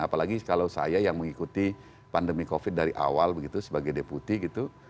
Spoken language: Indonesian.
apalagi kalau saya yang mengikuti pandemi covid dari awal begitu sebagai deputi gitu